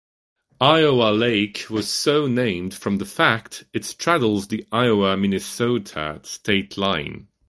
Iowa Lake was so named from the fact it straddles the Iowa-Minnesota state line.